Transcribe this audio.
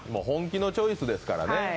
本気のチョイスですからね